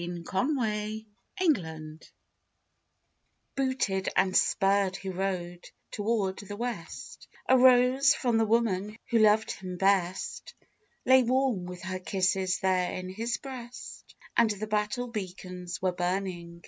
THE BALLAD OF THE ROSE Booted and spurred he rode toward the west, A rose, from the woman who loved him best, Lay warm with her kisses there in his breast, And the battle beacons were burning.